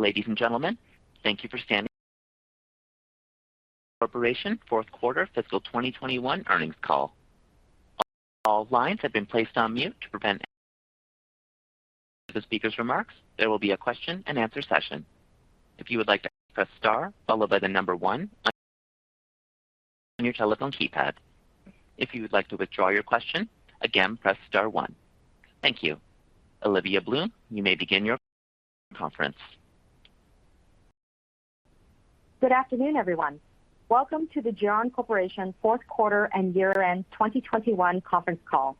Ladies and gentlemen, thank you for standing by. Geron Corporation fourth quarter fiscal 2021 earnings call. All lines have been placed on mute. The speaker's remarks will be followed by a question and answer session. If you would like to press star followed by the number one on your telephone keypad. If you would like to withdraw your question, again, press star one. Thank you. Olivia Bloom, you may begin your conference. Good afternoon, everyone. Welcome to the Geron Corporation fourth quarter and year-end 2021 conference call.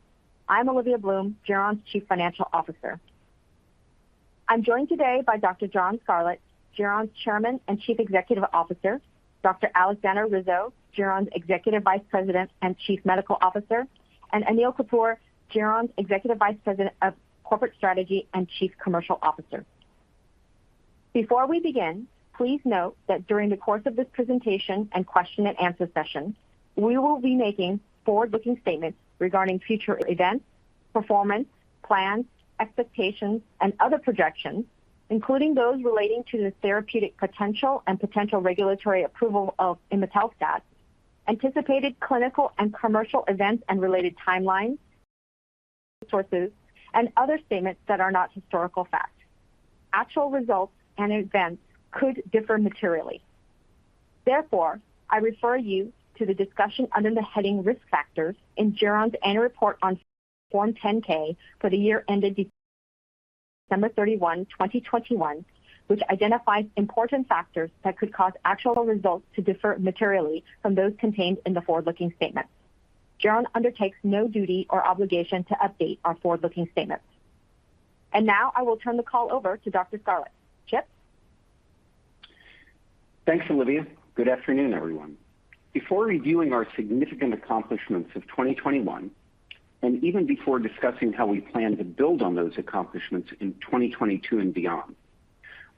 I'm Olivia Bloom, Geron's Chief Financial Officer. I'm joined today by Dr. John Scarlett, Geron's Chairman and Chief Executive Officer, Dr. Aleksandra Rizo, Geron's Executive Vice President and Chief Medical Officer, and Anil Kapur, Geron's Executive Vice President of Corporate Strategy and Chief Commercial Officer. Before we begin, please note that during the course of this presentation and question and answer session, we will be making forward-looking statements regarding future events, performance, plans, expectations, and other projections, including those relating to the therapeutic potential and potential regulatory approval of imetelstat, anticipated clinical and commercial events and related timelines, resources, and other statements that are not historical facts. Actual results and events could differ materially. Therefore, I refer you to the discussion under the heading Risk Factors in Geron's annual report on Form 10-K for the year ended December 31, 2021, which identifies important factors that could cause actual results to differ materially from those contained in the forward-looking statements. Geron undertakes no duty or obligation to update our forward-looking statements. Now I will turn the call over to Dr. Scarlett. Chip. Thanks, Olivia. Good afternoon, everyone. Before reviewing our significant accomplishments of 2021, and even before discussing how we plan to build on those accomplishments in 2022 and beyond,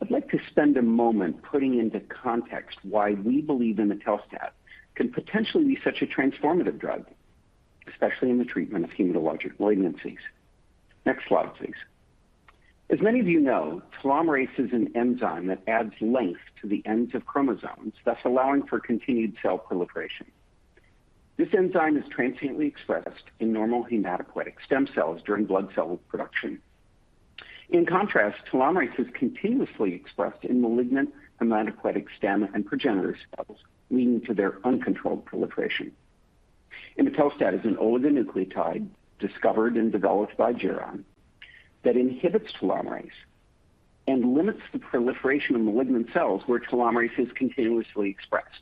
I'd like to spend a moment putting into context why we believe imetelstat can potentially be such a transformative drug, especially in the treatment of hematologic malignancies. Next slide, please. As many of you know, telomerase is an enzyme that adds length to the ends of chromosomes, thus allowing for continued cell proliferation. This enzyme is transiently expressed in normal hematopoietic stem cells during blood cell production. In contrast, telomerase is continuously expressed in malignant hematopoietic stem and progenitor cells, leading to their uncontrolled proliferation. imetelstat is an oligonucleotide discovered and developed by Geron that inhibits telomerase and limits the proliferation of malignant cells where telomerase is continuously expressed,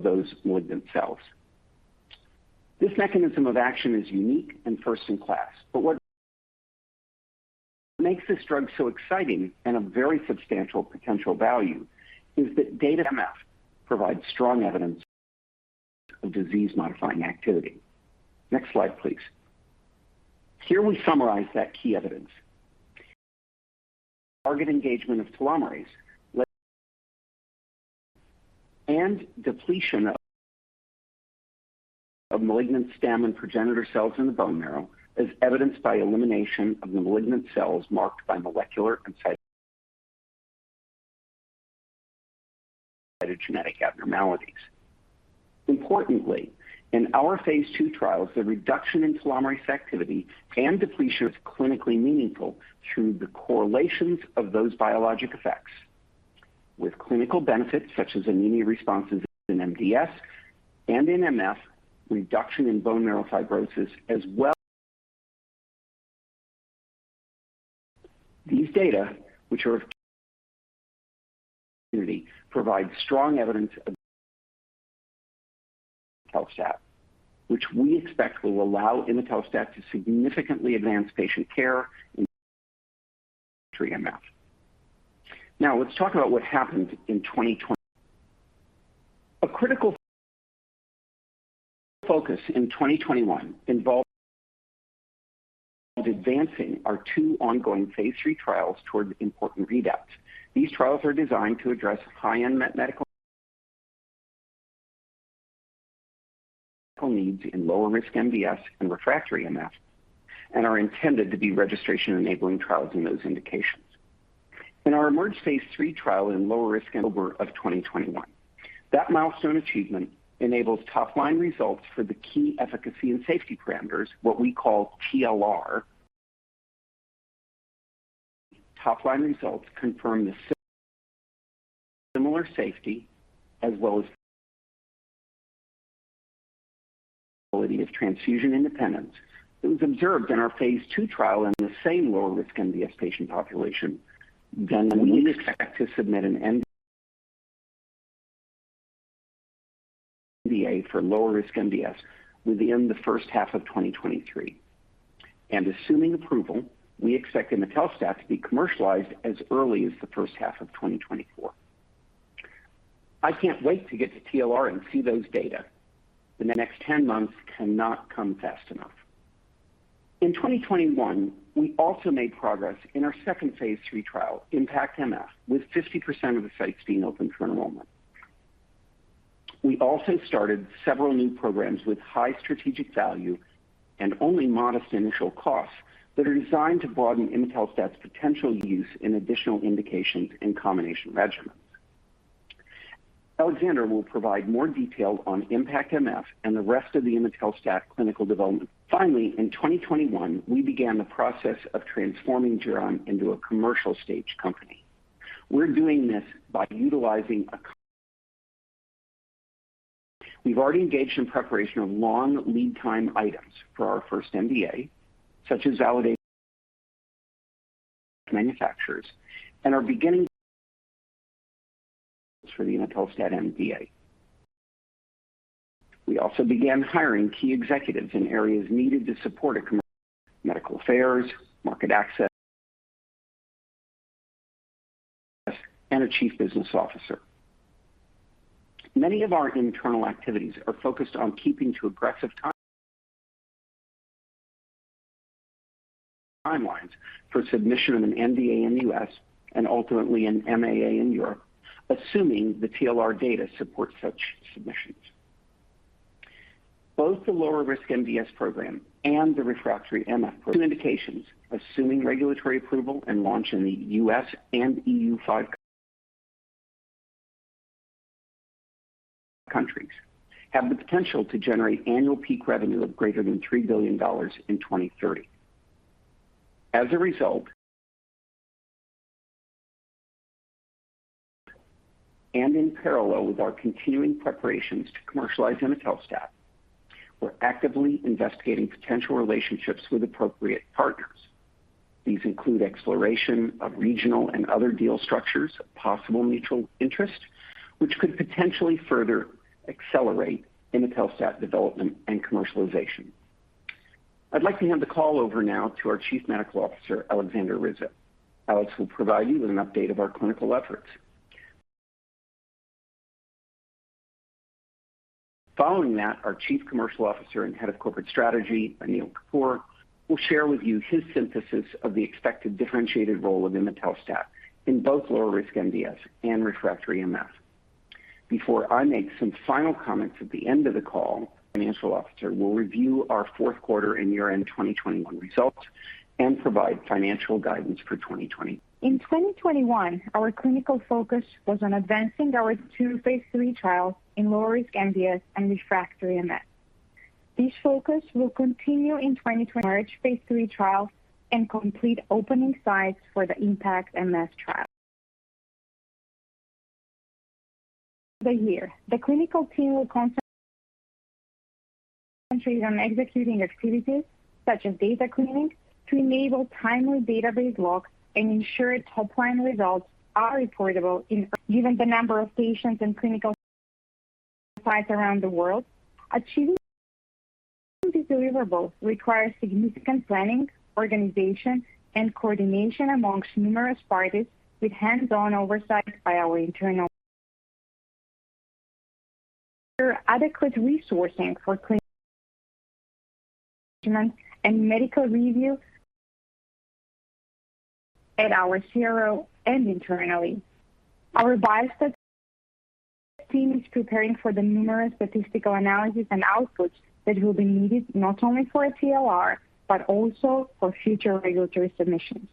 those malignant cells. This mechanism of action is unique and first-in-class. What makes this drug so exciting and a very substantial potential value is that IMpactMF data provides strong evidence of disease-modifying activity. Next slide, please. Here we summarize that key evidence. Target engagement of telomerase and depletion of malignant stem and progenitor cells in the bone marrow is evidenced by elimination of the malignant cells marked by molecular and cytogenetic abnormalities. Importantly, in our phase II trials, the reduction in telomerase activity and depletion is clinically meaningful through the correlations of those biologic effects with clinical benefits such as anemia responses in MDS and in MF, reduction in bone marrow fibrosis as well. These data, which provide strong evidence of disease-modifying activity, which we expect will allow imetelstat to significantly advance patient care in MF. Now let's talk about what happened in 2020. A critical focus in 2021 involved advancing our two ongoing phase III trials toward important readouts. These trials are designed to address high unmet medical needs in lower-risk MDS and refractory MF and are intended to be registration-enabling trials in those indications. In our IMerge phase III trial in lower-risk MDS in October 2021, that milestone achievement enables topline results for the key efficacy and safety parameters, what we call TLR. Topline results confirm the similar safety as well as quality of transfusion independence that was observed in our phase II trial in the same lower-risk MDS patient population. We expect to submit an NDA for lower-risk MDS within the first half of 2023. Assuming approval, we expect imetelstat to be commercialized as early as the first half of 2024. I can't wait to get to TLR and see those data, and the next 10 months cannot come fast enough. In 2021, we also made progress in our second phase III trial, IMpactMF, with 50% of the sites being open for enrollment. We also started several new programs with high strategic value and only modest initial costs that are designed to broaden imetelstat's potential use in additional indications and combination regimens. Aleksandra will provide more detail on IMpactMF and the rest of the imetelstat clinical development. Finally, in 2021, we began the process of transforming Geron into a commercial stage company. We're doing this by utilizing a. We've already engaged in preparation of long lead time items for our first NDA, such as validating manufacturers and are beginning for the imetelstat NDA. We also began hiring key executives in areas needed to support commercial, medical affairs, market access and a Chief Business Officer. Many of our internal activities are focused on keeping to aggressive timelines for submission of an NDA in the U.S. and ultimately an MAA in Europe, assuming the TLR data supports such submissions. Both the lower-risk MDS program and the refractory MF, two indications, assuming regulatory approval and launch in the U.S. and EU five countries have the potential to generate annual peak revenue of greater than $3 billion in 2030. As a result and in parallel with our continuing preparations to commercialize imetelstat, we're actively investigating potential relationships with appropriate partners. These include exploration of regional and other deal structures of possible mutual interest, which could potentially further accelerate imetelstat development and commercialization. I'd like to hand the call over now to our Chief Medical Officer, Aleksandra Rizo. Aleksandra will provide you with an update of our clinical efforts. Following that, our Chief Commercial Officer and Head of Corporate Strategy, Anil Kapur, will share with you his synthesis of the expected differentiated role of imetelstat in both lower-risk MDS and refractory MF. Before I make some final comments at the end of the call, our Chief Financial Officer will review our fourth quarter and year-end 2021 results and provide financial guidance for 2022- In 2021, our clinical focus was on advancing our two phase III trials in lower-risk MDS and refractory MF. This focus will continue in 2022 phase III trial and complete opening sites for the IMpactMF trial this year. The clinical team will concentrate on executing activities such as data cleaning to enable timely database locks and ensure top-line results are reportable in 2023. Given the number of patients and clinical sites around the world, achieving these deliverables requires significant planning, organization, and coordination amongst numerous parties with hands-on oversight by our internal adequate resourcing for clinical and medical review at our CRO and internally. Our biostat team is preparing for the numerous statistical analysis and outputs that will be needed not only for a TLR, but also for future regulatory submissions.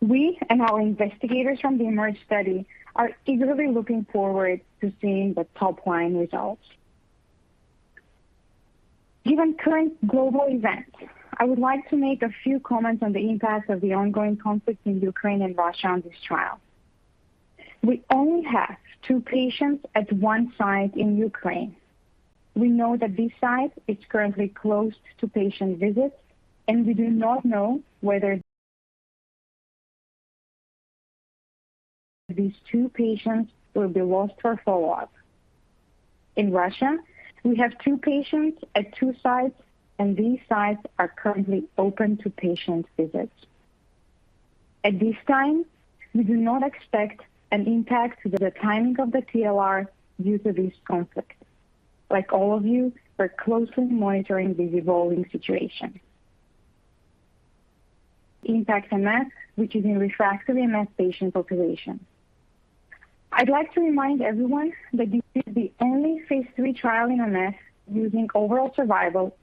We and our investigators from the IMerge study are eagerly looking forward to seeing the top-line results. Given current global events, I would like to make a few comments on the impact of the ongoing conflict in Ukraine and Russia on this trial. We only have two patients at one site in Ukraine. We know that this site is currently closed to patient visits, and we do not know whether these two patients will be lost for follow-up. In Russia, we have two patients at two sites, and these sites are currently open to patient visits. At this time, we do not expect an impact to the timing of the TLR due to this conflict. Like all of you, we're closely monitoring this evolving situation. IMpactMF, which is in refractory MF patient population. I'd like to remind everyone that this is the only phase III trial in MF using overall survival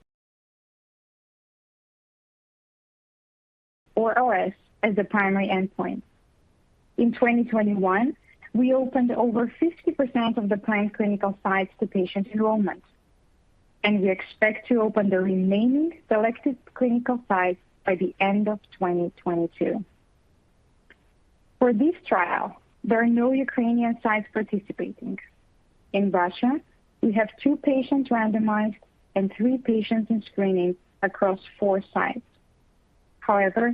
or OS as the primary endpoint. In 2021, we opened over 50% of the planned clinical sites to patient enrollment, and we expect to open the remaining selected clinical sites by the end of 2022. For this trial, there are no Ukrainian sites participating. In Russia, we have 2 patients randomized and 3 patients in screening across 4 sites. However,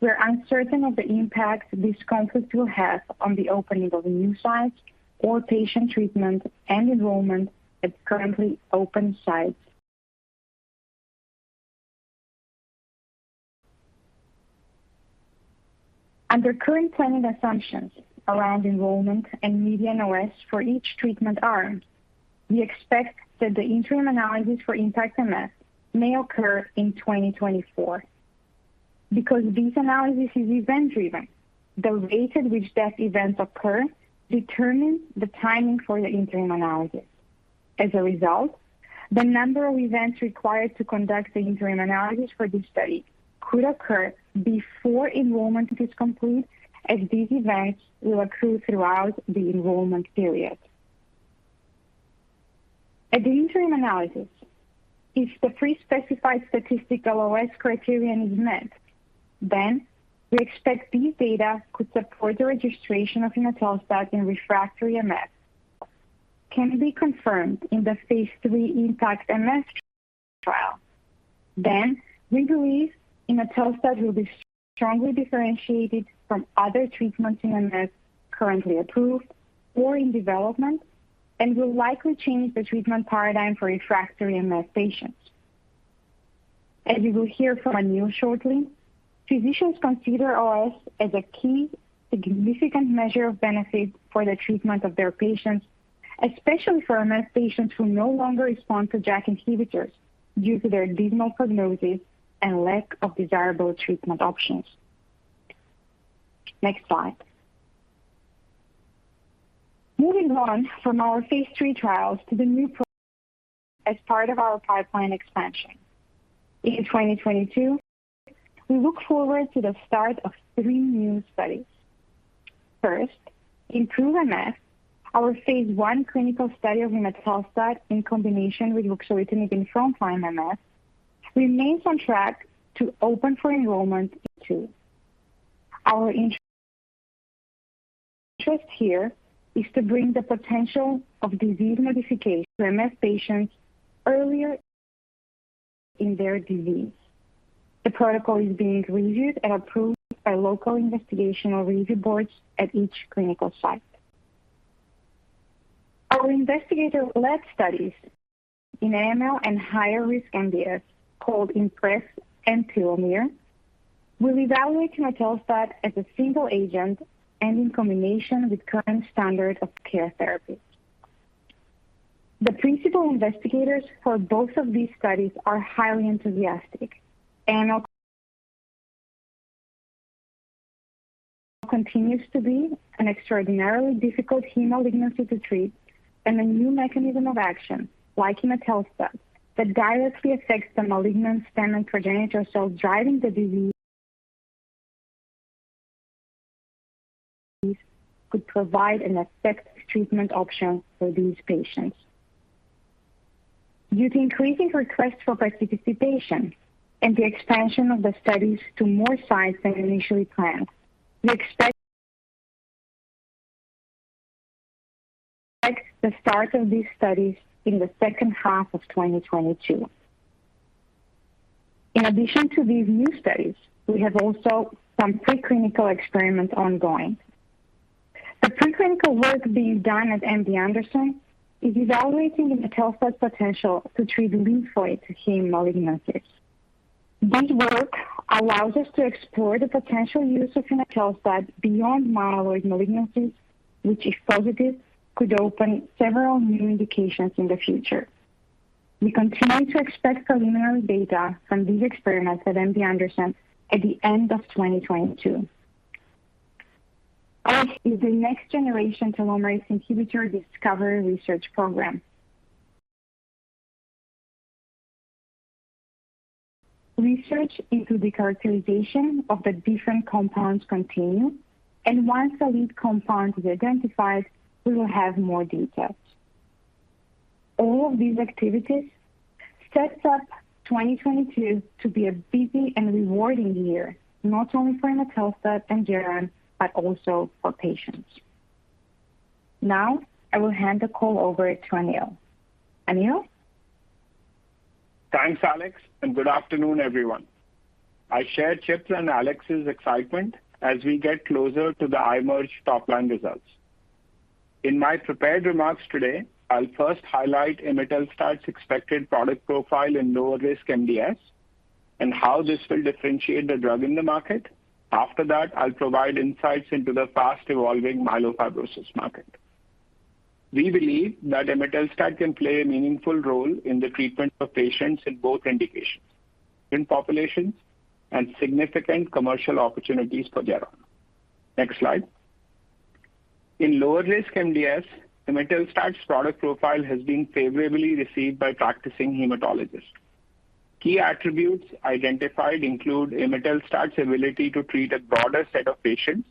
we are uncertain of the impact this conflict will have on the opening of the new sites or patient treatment and enrollment at currently open sites. Under current planning assumptions around enrollment and median OS for each treatment arm, we expect that the interim analysis for IMpactMF may occur in 2024. This analysis is event-driven, the rate at which death events occur determines the timing for the interim analysis. As a result, the number of events required to conduct the interim analysis for this study could occur before enrollment is complete, as these events will accrue throughout the enrollment period. At the interim analysis, if the pre-specified statistical OS criterion is met, then we expect this data could support the registration of imetelstat in refractory MF. If it can be confirmed in the phase III IMpactMF trial, then we believe imetelstat will be strongly differentiated from other treatments in MF currently approved or in development and will likely change the treatment paradigm for refractory MF patients. As you will hear from Anil shortly, physicians consider OS as a key significant measure of benefit for the treatment of their patients, especially for MF patients who no longer respond to JAK inhibitors due to their dismal prognosis and lack of desirable treatment options. Next slide. Moving on from our phase III trials to the new, as part of our pipeline expansion. In 2022, we look forward to the start of three new studies. First, IMproveMF, our phase I clinical study of imetelstat in combination with ruxolitinib in front-line MF, remains on track to open for enrollment in Q2. Our interest here is to bring the potential of disease modification to MF patients earlier in their disease. The protocol is being reviewed and approved by local investigational review boards at each clinical site. Our investigator-led studies in AML and higher risk MDS, called IMpress and PILOMIR, will evaluate imetelstat as a single agent and in combination with current standard of care therapy. The principal investigators for both of these studies are highly enthusiastic. AML continues to be an extraordinarily difficult heme malignancy to treat, and a new mechanism of action, like imetelstat, that directly affects the malignant stem and progenitor cells driving the disease could provide an effective treatment option for these patients. Due to increasing requests for participation and the expansion of the studies to more sites than initially planned, we expect the start of these studies in the second half of 2022. In addition to these new studies, we have also some pre-clinical experiments ongoing. The pre-clinical work being done at MD Anderson is evaluating imetelstat's potential to treat lymphoid heme malignancies. This work allows us to explore the potential use of imetelstat beyond myeloid malignancies, which if positive, could open several new indications in the future. We continue to expect preliminary data from these experiments at MD Anderson at the end of 2022. Our next generation telomerase inhibitor discovery research program. Research into the characterization of the different compounds continue, and once a lead compound is identified, we will have more details. All of these activities sets up 2022 to be a busy and rewarding year, not only for imetelstat and Geron, but also for patients. Now, I will hand the call over to Anil. Anil? Thanks, Aleks, and good afternoon, everyone. I share Chip's and Aleks excitement as we get closer to the IMerge top-line results. In my prepared remarks today, I'll first highlight imetelstat's expected product profile in lower-risk MDS and how this will differentiate the drug in the market. After that, I'll provide insights into the fast-evolving myelofibrosis market. We believe that imetelstat can play a meaningful role in the treatment of patients in both indications, in populations, and significant commercial opportunities for Geron. Next slide. In lower-risk MDS, imetelstat's product profile has been favorably received by practicing hematologists. Key attributes identified include imetelstat's ability to treat a broader set of patients,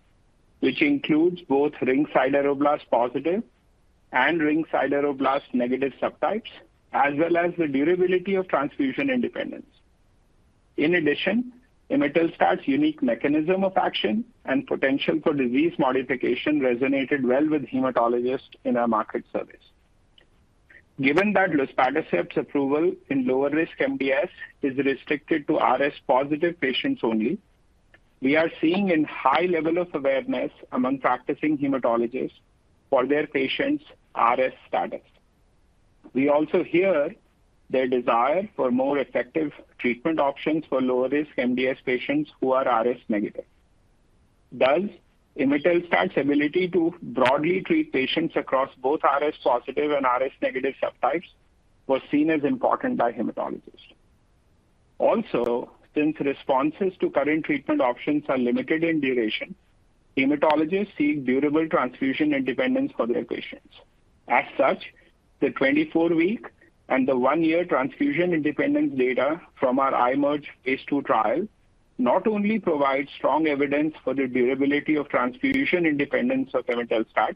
which includes both ring sideroblasts positive and ring sideroblasts negative subtypes, as well as the durability of transfusion independence. In addition, imetelstat's unique mechanism of action and potential for disease modification resonated well with hematologists in our market research. Given that luspatercept's approval in lower-risk MDS is restricted to RS-positive patients only, we are seeing a high level of awareness among practicing hematologists for their patients' RS status. We also hear their desire for more effective treatment options for lower-risk MDS patients who are RS-negative. Thus, imetelstat's ability to broadly treat patients across both RS-positive and RS-negative subtypes was seen as important by hematologists. Also, since responses to current treatment options are limited in duration, hematologists seek durable transfusion independence for their patients. As such, the 24-week and the 1-year transfusion independence data from our IMerge phase II trial not only provides strong evidence for the durability of transfusion independence of imetelstat,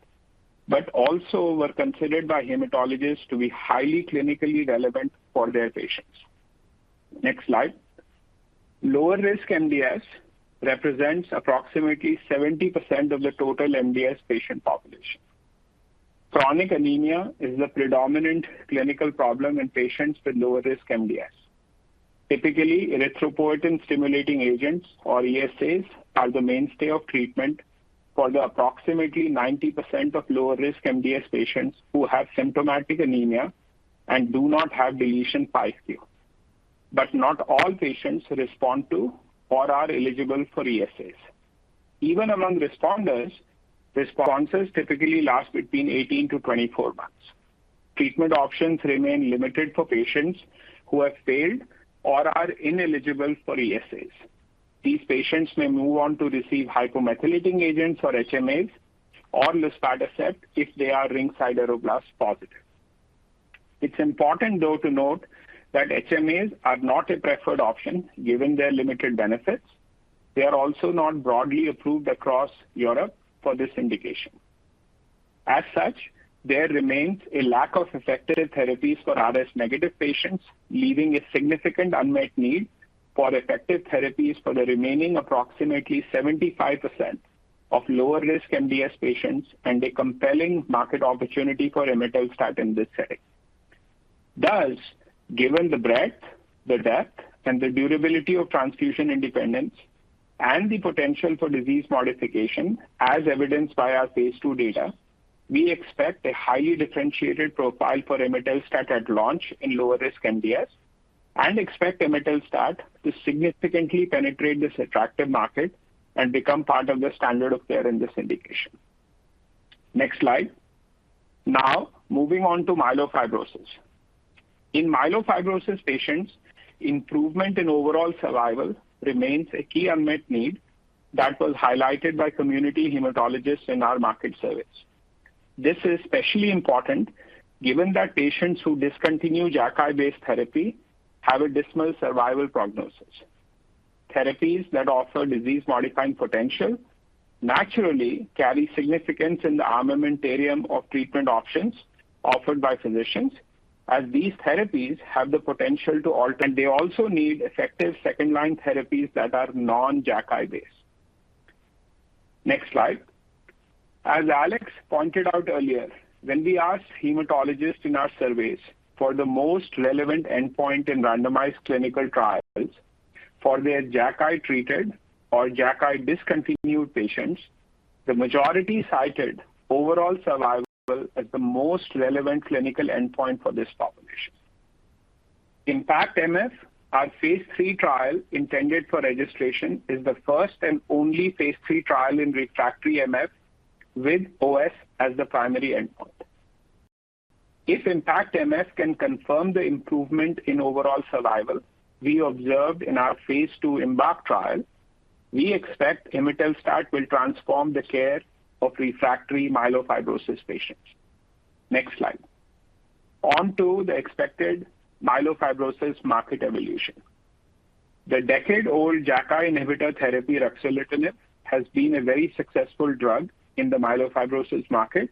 but also were considered by hematologists to be highly clinically relevant for their patients. Next slide. Lower-risk MDS represents approximately 70% of the total MDS patient population. Chronic anemia is the predominant clinical problem in patients with lower-risk MDS. Typically, erythropoiesis-stimulating agents, or ESAs, are the mainstay of treatment for the approximately 90% of lower-risk MDS patients who have symptomatic anemia and do not have del(5q), but not all patients respond to or are eligible for ESAs. Even among responders, responses typically last between 18-24 months. Treatment options remain limited for patients who have failed or are ineligible for ESAs. These patients may move on to receive hypomethylating agents, or HMAs, or luspatercept if they are ring sideroblasts positive. It's important, though, to note that HMAs are not a preferred option given their limited benefits. They are also not broadly approved across Europe for this indication. As such, there remains a lack of effective therapies for RS-negative patients, leaving a significant unmet need for effective therapies for the remaining approximately 75% of lower-risk MDS patients and a compelling market opportunity for imetelstat in this setting. Thus, given the breadth, the depth, and the durability of transfusion independence and the potential for disease modification as evidenced by our phase II data, we expect a highly differentiated profile for imetelstat at launch in lower-risk MDS and expect imetelstat to significantly penetrate this attractive market and become part of the standard of care in this indication. Next slide. Now moving on to myelofibrosis. In myelofibrosis patients, improvement in overall survival remains a key unmet need that was highlighted by community hematologists in our market surveys. This is especially important given that patients who discontinue JAKI-based therapy have a dismal survival prognosis. Therapies that offer disease-modifying potential naturally carry significance in the armamentarium of treatment options offered by physicians, as these therapies have the potential to alter. They also need effective second-line therapies that are non-JAKI based. Next slide. As Aleks pointed out earlier, when we asked hematologists in our surveys for the most relevant endpoint in randomized clinical trials for their JAKI-treated or JAKI-discontinued patients, the majority cited overall survival as the most relevant clinical endpoint for this population. IMpactMF, our phase III trial intended for registration, is the first and only phase III trial in refractory MF with OS as the primary endpoint. If IMpactMF can confirm the improvement in overall survival we observed in our phase II IMbark trial, we expect imetelstat will transform the care of refractory myelofibrosis patients. Next slide. On to the expected myelofibrosis market evolution. The decade-old JAKI inhibitor therapy, ruxolitinib, has been a very successful drug in the myelofibrosis market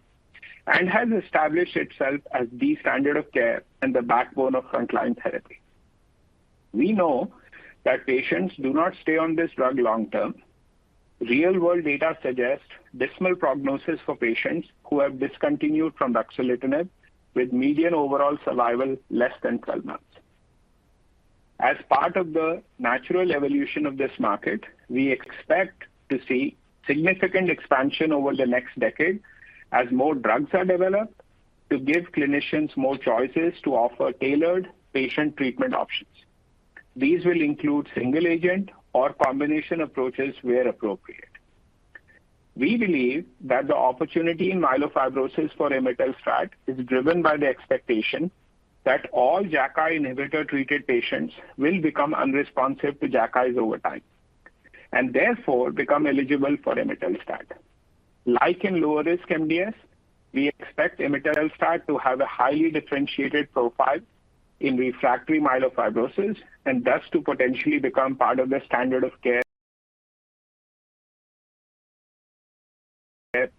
and has established itself as the standard of care and the backbone of frontline therapy. We know that patients do not stay on this drug long term. Real-world data suggest dismal prognosis for patients who have discontinued from ruxolitinib, with median overall survival less than 12 months. As part of the natural evolution of this market, we expect to see significant expansion over the next decade as more drugs are developed to give clinicians more choices to offer tailored patient treatment options. These will include single agent or combination approaches where appropriate. We believe that the opportunity in myelofibrosis for imetelstat is driven by the expectation that all JAKI inhibitor-treated patients will become unresponsive to JAKIs over time, and therefore become eligible for imetelstat. Like in lower-risk MDS, we expect imetelstat to have a highly differentiated profile in refractory myelofibrosis and thus to potentially become part of the standard of care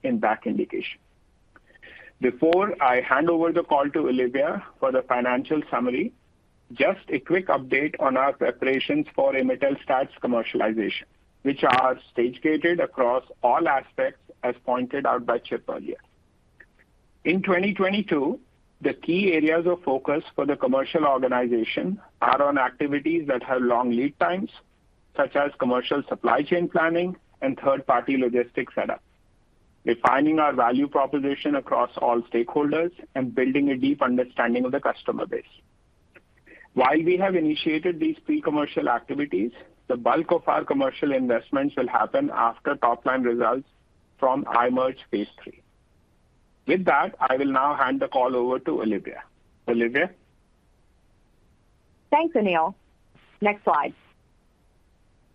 in that indication. Before I hand over the call to Olivia for the financial summary, just a quick update on our preparations for imetelstat's commercialization, which are stage-gated across all aspects as pointed out by Chip earlier. In 2022, the key areas of focus for the commercial organization are on activities that have long lead times, such as commercial supply chain planning and third-party logistics setup, refining our value proposition across all stakeholders, and building a deep understanding of the customer base. While we have initiated these pre-commercial activities, the bulk of our commercial investments will happen after top line results from IMerge phase III. With that, I will now hand the call over to Olivia. Olivia? Thanks, Anil. Next slide.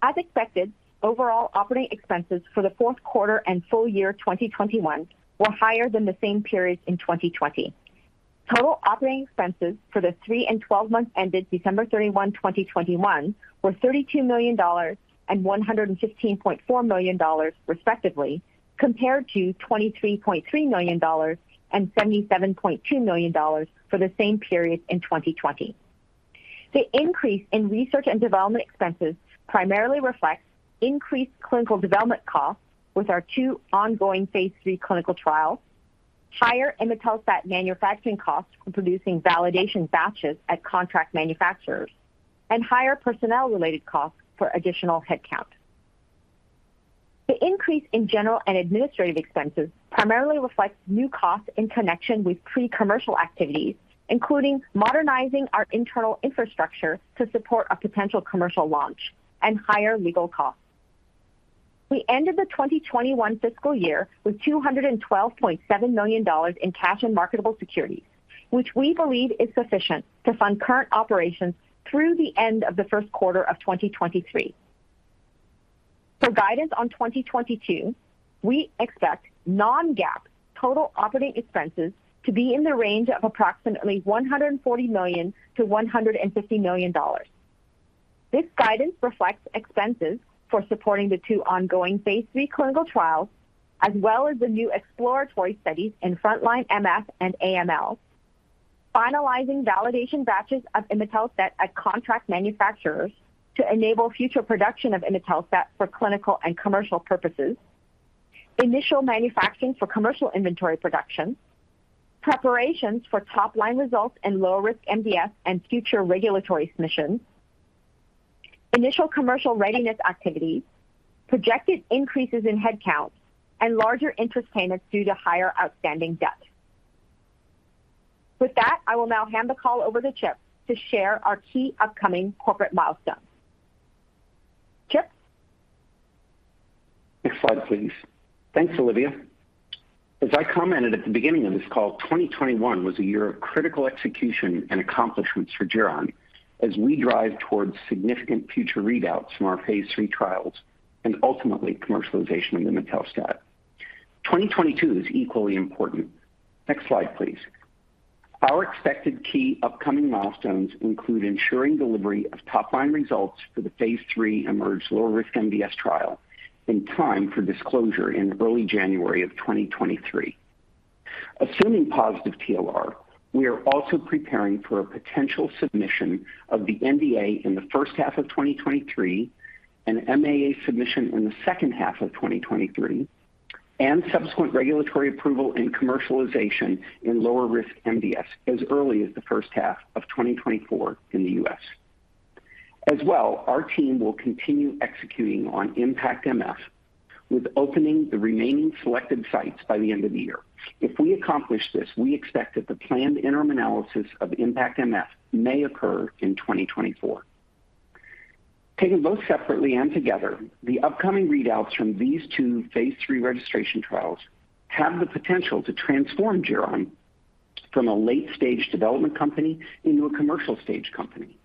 As expected, overall operating expenses for the fourth quarter and full year 2021 were higher than the same period in 2020. Total operating expenses for the three and twelve months ended December 31, 2021 were $32 million and $115.4 million respectively, compared to $23.3 million and $77.2 million for the same period in 2020. The increase in research and development expenses primarily reflects increased clinical development costs with our two ongoing phase III clinical trials, higher imetelstat manufacturing costs for producing validation batches at contract manufacturers, and higher personnel-related costs for additional headcount. The increase in general and administrative expenses primarily reflects new costs in connection with pre-commercial activities, including modernizing our internal infrastructure to support a potential commercial launch and higher legal costs. We ended the 2021 fiscal year with $212.7 million in cash and marketable securities, which we believe is sufficient to fund current operations through the end of the first quarter of 2023. For guidance on 2022, we expect non-GAAP total operating expenses to be in the range of approximately $140 million-$150 million. This guidance reflects expenses for supporting the two ongoing phase III clinical trials as well as the new exploratory studies in frontline MF and AML, finalizing validation batches of imetelstat at contract manufacturers to enable future production of imetelstat for clinical and commercial purposes, initial manufacturing for commercial inventory production, preparations for top-line results in lower-risk MDS and future regulatory submissions, initial commercial readiness activities, projected increases in headcount, and larger interest payments due to higher outstanding debt. With that, I will now hand the call over to Chip to share our key upcoming corporate milestones. Chip? Next slide, please. Thanks, Olivia. As I commented at the beginning of this call, 2021 was a year of critical execution and accomplishments for Geron as we drive towards significant future readouts from our phase III trials and ultimately commercialization of imetelstat. 2022 is equally important. Next slide, please. Our expected key upcoming milestones include ensuring delivery of top-line results for the phase III IMerge lower-risk MDS trial in time for disclosure in early January 2023. Assuming positive TLR, we are also preparing for a potential submission of the NDA in the first half of 2023 and an MAA submission in the second half of 2023, and subsequent regulatory approval and commercialization in lower-risk MDS as early as the first half of 2024 in the U.S. As well, our team will continue executing on IMpactMF with opening the remaining selected sites by the end of the year. If we accomplish this, we expect that the planned interim analysis of IMpactMF may occur in 2024. Taken both separately and together, the upcoming readouts from these two phase III registration trials have the potential to transform Geron from a late-stage development company into a commercial stage company,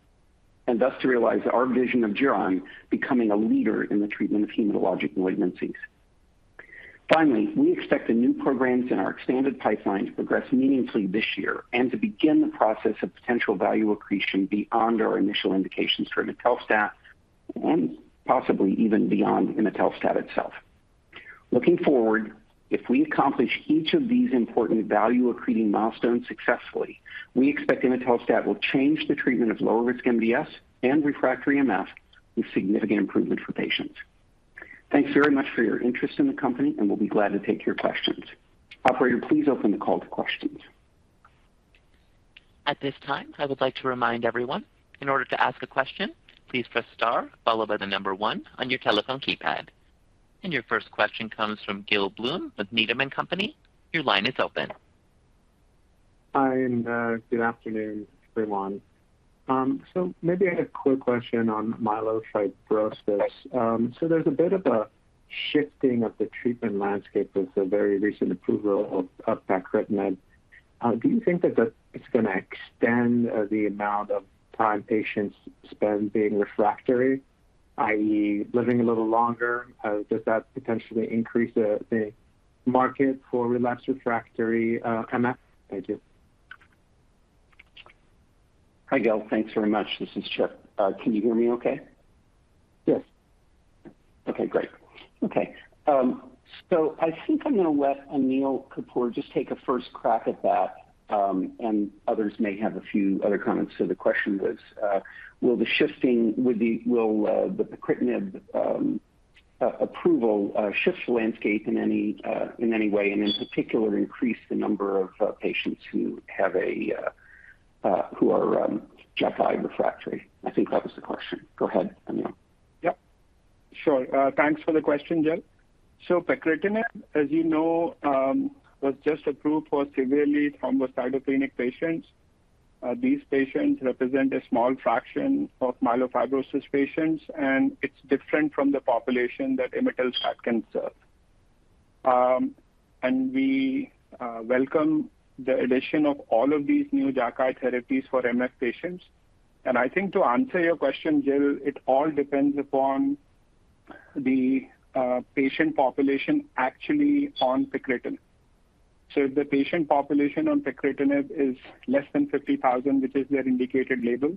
and thus to realize our vision of Geron becoming a leader in the treatment of hematologic malignancies. Finally, we expect the new programs in our expanded pipeline to progress meaningfully this year and to begin the process of potential value accretion beyond our initial indications for imetelstat and possibly even beyond imetelstat itself. Looking forward, if we accomplish each of these important value accreting milestones successfully, we expect imetelstat will change the treatment of lower-risk MDS and refractory MF with significant improvement for patients. Thanks very much for your interest in the company, and we'll be glad to take your questions. Operator, please open the call to questions. At this time, I would like to remind everyone, in order to ask a question, please press star followed by the number 1 on your telephone keypad. Your first question comes from Gil Blum with Needham & Company. Your line is open. Hi, good afternoon, everyone. Maybe I had a quick question on myelofibrosis. There's a bit of a shifting of the treatment landscape with the very recent approval of pacritinib. Do you think that it's gonna extend the amount of time patients spend being refractory, i.e. living a little longer? Does that potentially increase the market for relapsed refractory MF? Thank you. Hi, Gil. Thanks very much. This is Chip. Can you hear me okay? Yes. Okay, great. Okay. I think I'm gonna let Anil Kapur just take a first crack at that, and others may have a few other comments. The question was, will the pacritinib approval shift the landscape in any way, and in particular increase the number of patients who are JAKI refractory? I think that was the question. Go ahead, Anil. Yep. Sure. Thanks for the question, Gil. Pacritinib, as you know, was just approved for severely thrombocytopenic patients. These patients represent a small fraction of myelofibrosis patients, and it's different from the population that imetelstat can serve. We welcome the addition of all of these new JAKI therapies for MF patients. I think to answer your question, Gil, it all depends upon the patient population actually on pacritinib. If the patient population on pacritinib is less than 50,000, which is their indicated label,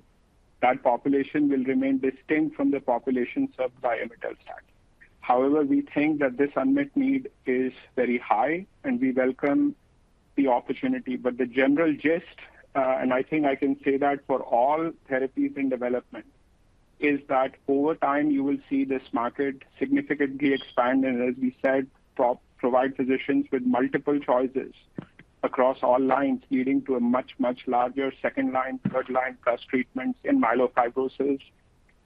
that population will remain distinct from the populations served by imetelstat. However, we think that this unmet need is very high, and we welcome the opportunity. The general gist, and I think I can say that for all therapies in development, is that over time you will see this market significantly expand and, as we said, provide physicians with multiple choices across all lines, leading to a much, much larger second-line, third-line plus treatments in myelofibrosis,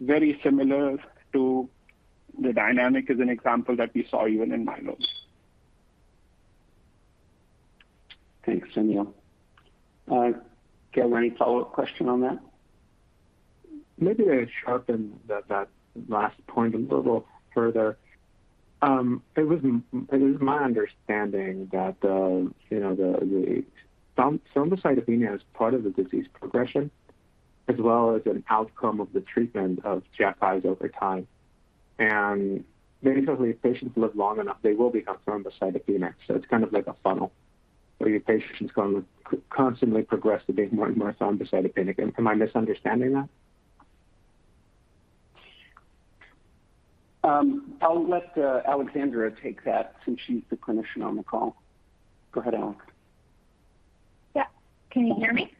very similar to the dynamic as an example that we saw even in myeloma. Thanks, Anil. Gil, any follow-up question on that? Maybe I'd sharpen that last point a little further. It is my understanding that the, you know, the thrombocytopenia is part of the disease progression as well as an outcome of the treatment of JAKIs over time. Basically, if patients live long enough, they will become thrombocytopenic, so it's kind of like a funnel where your patient's gonna constantly progress to being more and more thrombocytopenic. Am I misunderstanding that? I'll let Aleksandra take that since she's the clinician on the call. Go ahead, Aleks. Yeah. Can you hear me?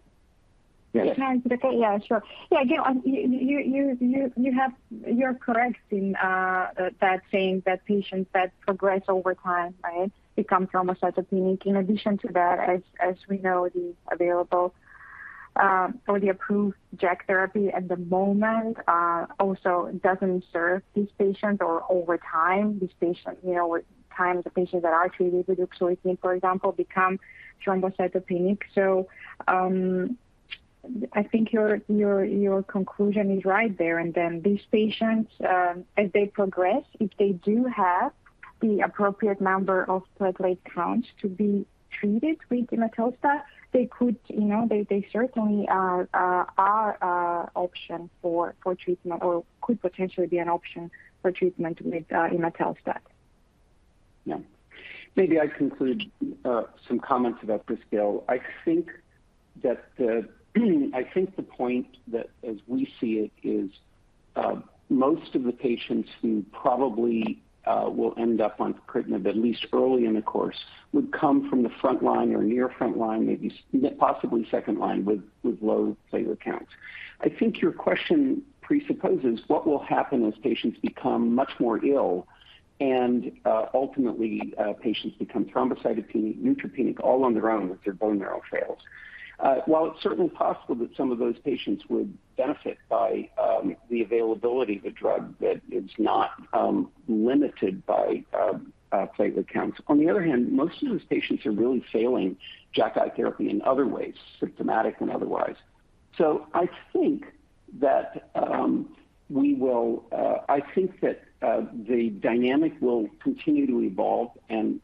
Yes. Can I take it? Yeah, sure. Yeah, Gil, you're correct in that saying that patients that progress over time, right, become thrombocytopenic. In addition to that, as we know, the available or the approved JAK therapy at the moment also doesn't serve these patients or over time these patients, you know, with time, the patients that are treated with ruxolitinib, for example, become thrombocytopenic. I think your conclusion is right there and then these patients, as they progress, if they do have the appropriate number of platelet counts to be treated with imetelstat, they could, you know, they certainly are a option for treatment or could potentially be an option for treatment with imetelstat. Yeah. Maybe I'd conclude some comments about this, Gil. I think the point that as we see it is, most of the patients who probably will end up on pacritinib, at least early in the course, would come from the front line or near front line, possibly second line with low platelet counts. I think your question presupposes what will happen as patients become much more ill and, ultimately, patients become thrombocytopenic, neutropenic all on their own with their bone marrow fails. While it's certainly possible that some of those patients would benefit by the availability of a drug that is not limited by platelet counts, on the other hand, most of those patients are really failing JAKI therapy in other ways, symptomatic and otherwise. I think that the dynamic will continue to evolve and,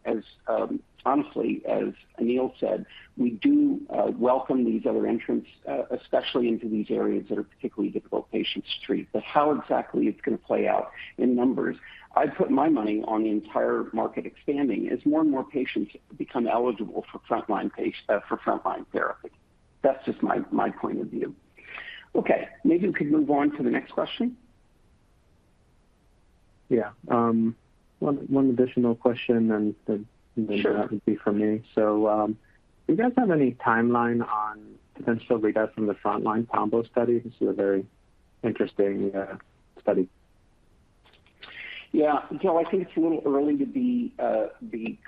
honestly, as Anil said, we do welcome these other entrants, especially into these areas that are particularly difficult patients to treat. How exactly it's gonna play out in numbers, I'd put my money on the entire market expanding as more and more patients become eligible for frontline therapy. That's just my point of view. Okay, maybe we could move on to the next question. Yeah. One additional question and then- Sure. That would be for me. Do you guys have any timeline on potential readouts from the frontline combo study? This is a very interesting study. Yeah. Gil, I think it's a little early to be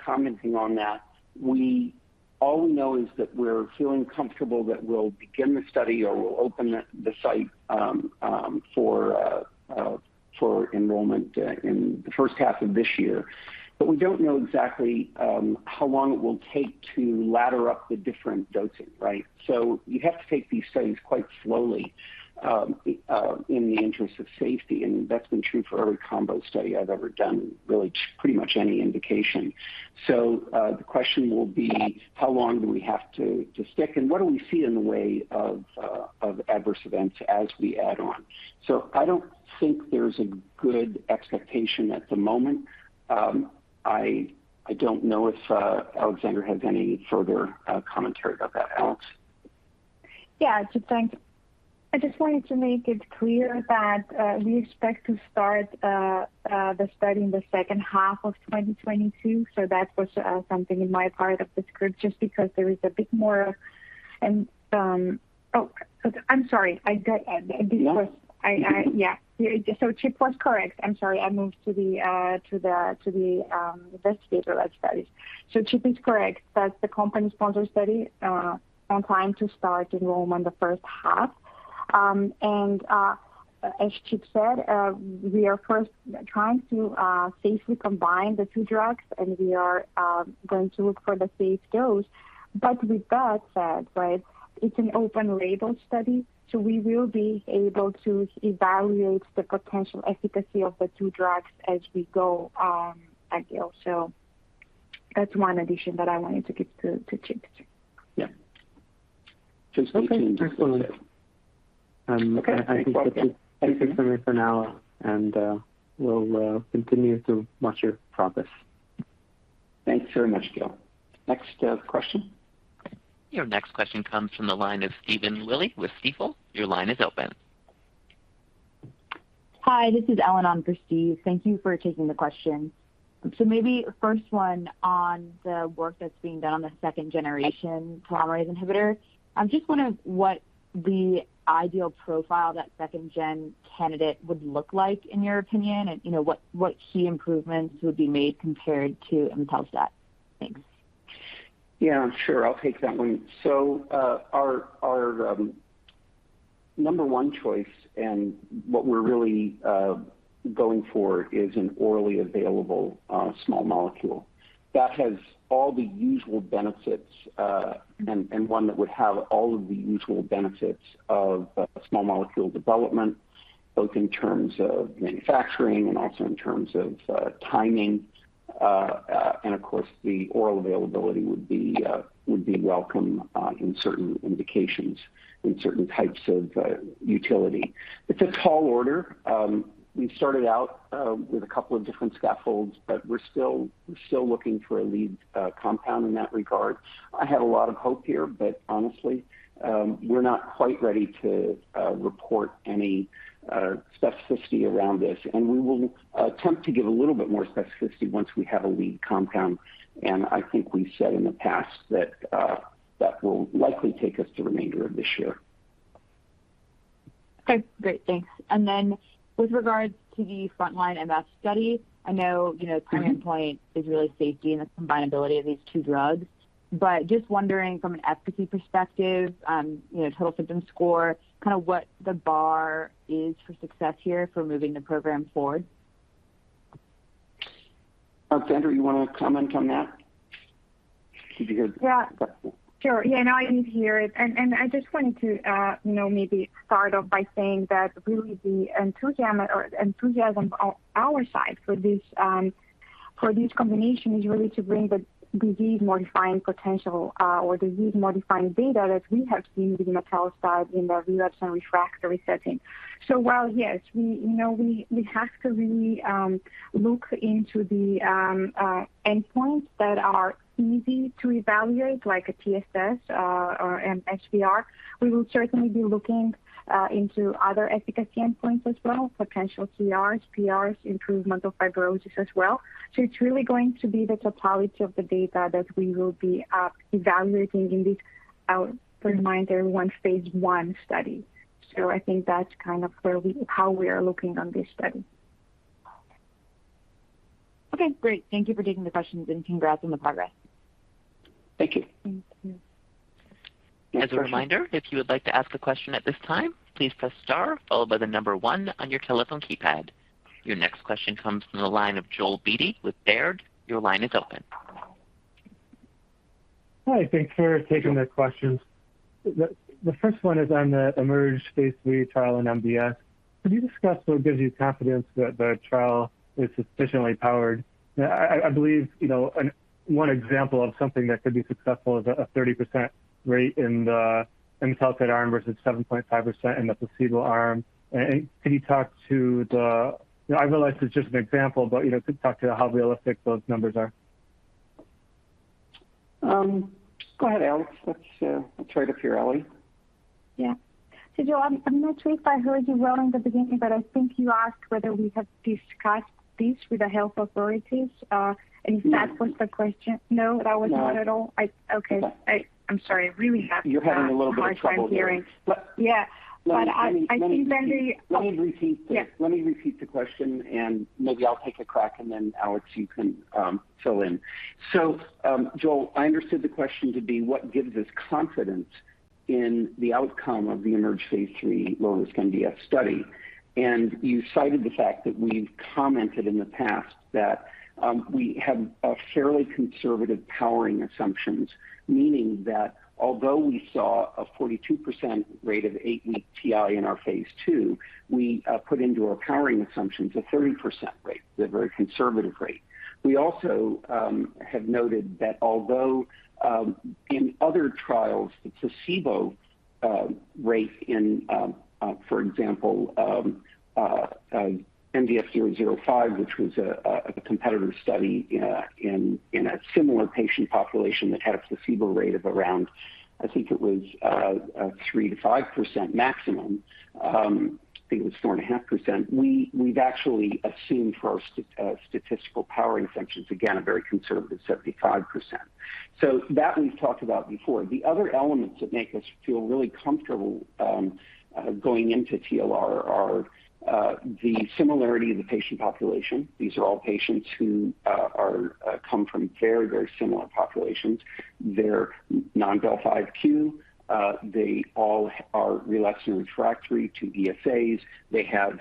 commenting on that. All we know is that we're feeling comfortable that we'll begin the study or we'll open the site for enrollment in the first half of this year. We don't know exactly how long it will take to ladder up the different dosing, right? You have to take these studies quite slowly in the interest of safety, and that's been true for every combo study I've ever done, really pretty much any indication. The question will be how long do we have to stick and what do we see in the way of adverse events as we add on? I don't think there's a good expectation at the moment. I don't know if Aleksandra has any further commentary about that. Aleks? Yeah. I just wanted to make it clear that we expect to start the study in the second half of 2022. That was something in my part of the script, just because there is a bit more. Oh, I'm sorry. I got ahead. Yeah. Yeah. Chip was correct. I'm sorry. I moved to the investigator-led studies. Chip is correct that the company-sponsored study on timeline to start enrollment in the first half. As Chip said, we are first trying to safely combine the two drugs, and we are going to look for the safe dose. But with that said, right, it's an open label study, so we will be able to evaluate the potential efficacy of the two drugs as we go on, ideally. That's one addition that I wanted to give to Chip, too. Yeah. Okay, excellent. I think that's it for me for now, and we'll continue to watch your progress. Thanks very much, Gil. Next, question. Your next question comes from the line of Stephen Willey with Stifel. Your line is open. Hi, this is Ellen on for Steve. Thank you for taking the question. Maybe first one on the work that's being done on the second-generation telomerase inhibitor. I'm just wondering what the ideal profile that second gen candidate would look like in your opinion and, you know, what key improvements would be made compared to imetelstat. Thanks. Yeah, sure. I'll take that one. Our number one choice and what we're really going for is an orally available small molecule that has all the usual benefits and one that would have all of the usual benefits of small molecule development, both in terms of manufacturing and also in terms of timing. Of course, the oral availability would be welcome in certain indications, in certain types of utility. It's a tall order. We started out with a couple of different scaffolds, but we're still looking for a lead compound in that regard. I have a lot of hope here, but honestly, we're not quite ready to report any specificity around this. We will attempt to give a little bit more specificity once we have a lead compound. I think we've said in the past that that will likely take us the remainder of this year. Okay, great. Thanks. With regards to the frontline MF study, I know, you know, primary point is really safety and the combinability of these two drugs. Just wondering from an efficacy perspective, you know, total symptom score, kinda what the bar is for success here for moving the program forward. Sandra, you wanna comment on that? Did you hear the question? Yeah, sure. Yeah, no, I did hear it. I just wanted to, you know, maybe start off by saying that really the enthusiasm on our side for this combination is really to bring the disease-modifying potential or disease-modifying data that we have seen with imetelstat in the relapsed/refractory setting. While, yes, we, you know, we have to really look into the endpoints that are easy to evaluate, like a TSS or an SVR35, we will certainly be looking into other efficacy endpoints as well, potential CRs, PRs, improvement of fibrosis as well. It's really going to be the totality of the data that we will be evaluating in this IMproveMF phase I study. I think that's kind of how we are looking at this study. Okay, great. Thank you for taking the questions, and congrats on the progress. Thank you. Thank you. As a reminder, if you would like to ask a question at this time, please press star followed by the number one on your telephone keypad. Your next question comes from the line of Joel Beatty with Baird. Your line is open. Hi. Thanks for taking the questions. The first one is on the IMerge phase III trial in MDS. Could you discuss what gives you confidence that the trial is sufficiently powered? I believe, you know, one example of something that could be successful is a 30% rate in the imetelstat arm versus 7.5% in the placebo arm. You know, I realize it's just an example, but, you know, could you talk to how realistic those numbers are? Go ahead, Aleks. Let's right up here, Aleks. Yeah. Joel, I'm not sure if I heard you well in the beginning, but I think you asked whether we have discussed this with the health authorities. If that was the question? No. No? That was not at all? No. Okay. I'm sorry. I really have a hard time hearing. You're having a little bit of trouble hearing. Yeah. I think that the Let me repeat. Yeah. Let me repeat the question, and maybe I'll take a crack, and then Alexandra, you can fill in. Joel, I understood the question to be what gives us confidence in the outcome of the IMerge phase III lower-risk MDS study. You cited the fact that we've commented in the past that we have a fairly conservative powering assumptions, meaning that although we saw a 42% rate of eight-week TI in our phase II, we put into our powering assumptions a 30% rate, the very conservative rate. We also have noted that although in other trials, the placebo rate in, for example, MDS-005, which was a competitor study in a similar patient population that had a placebo rate of around, I think it was, 3%-5% maximum. I think it was 4.5%. We've actually assumed for our statistical power assumptions, again, a very conservative 75%. That we've talked about before. The other elements that make us feel really comfortable going into TLR are the similarity of the patient population. These are all patients who come from very, very similar populations. They're non-del(5q). They all are relapsing and refractory to ESAs. They have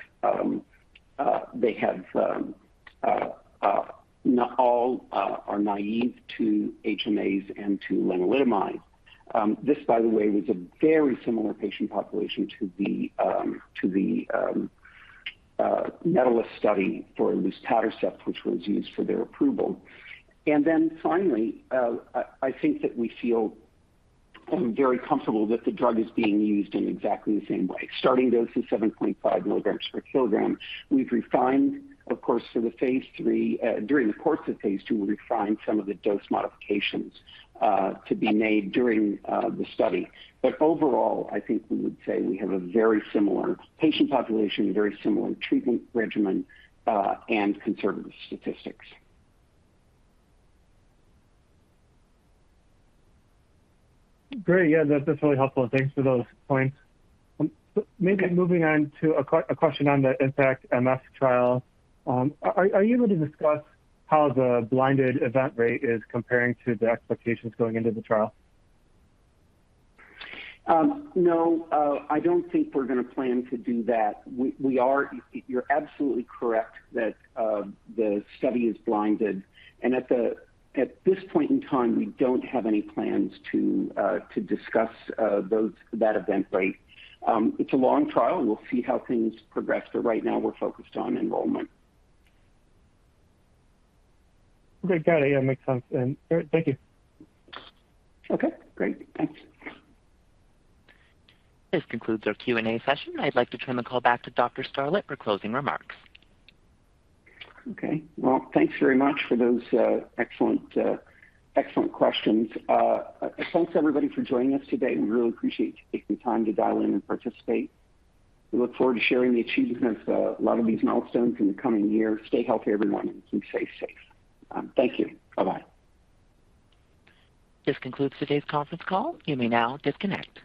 not all are naive to HMAs and to lenalidomide. This, by the way, was a very similar patient population to the MEDALIST study for luspatercept, which was used for their approval. Finally, I think that we feel very comfortable that the drug is being used in exactly the same way. Starting dose is 7.5 milligrams per kilogram. We've refined, of course, for phase III. During the course of phase II, we refined some of the dose modifications to be made during the study. Overall, I think we would say we have a very similar patient population, very similar treatment regimen, and conservative statistics. Great. Yeah, that's really helpful. Thanks for those points. Maybe moving on to a question on the IMpactMF trial. Are you able to discuss how the blinded event rate is comparing to the expectations going into the trial? No, I don't think we're going to plan to do that. You're absolutely correct that the study is blinded. At this point in time, we don't have any plans to discuss that event rate. It's a long trial, and we'll see how things progress, but right now we're focused on enrollment. Great. Got it. Yeah, makes sense. Thank you. Okay, great. Thanks. This concludes our Q&A session. I'd like to turn the call back to Dr. Scarlett for closing remarks. Okay. Well, thanks very much for those excellent questions. Thanks everybody for joining us today. We really appreciate you taking the time to dial in and participate. We look forward to sharing the achievements of a lot of these milestones in the coming year. Stay healthy, everyone, and keep safe. Thank you. Bye-bye. This concludes today's conference call. You may now disconnect.